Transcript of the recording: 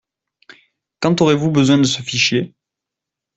Quand aurez-vous besoin de ce fichier ?